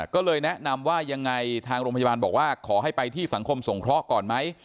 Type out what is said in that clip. ก็เลยแนะนำว่ายังไงทางโรงพยาบาลบอกว่าขอให้ไปที่สังคมสงเคราะห์ก่อนไหม